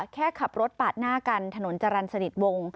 แค่ขับรถปาดหน้ากันถนนจรรย์สนิทวง